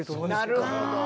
なるほど。